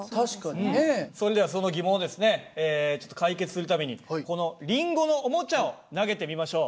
それではその疑問をですねちょっと解決するためにこのリンゴのおもちゃを投げてみましょう。